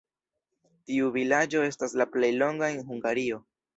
Tiu vilaĝo estas la plej longa en Hungario.